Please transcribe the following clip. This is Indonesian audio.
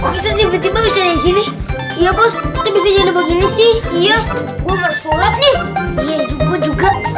kita tiba tiba bisa dari sini iya bos kita bisa jadi begini sih iya gue